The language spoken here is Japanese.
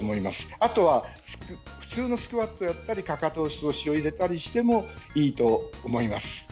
あと普通のスクワットをやったりかかと落としを入れたりしてもいいと思います。